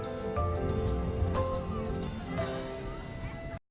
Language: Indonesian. gue juga juga nanya bro